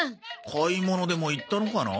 買い物でも行ったのかな？